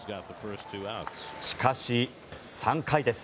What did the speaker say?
しかし、３回です。